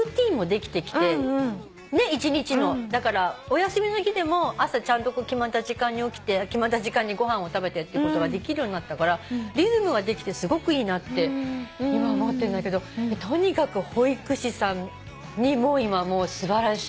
だからお休みの日でも朝ちゃんと決まった時間に起きて決まった時間にご飯を食べてってことができるようになったからリズムができてすごくいいなって今思ってんだけどとにかく保育士さんもう素晴らしい。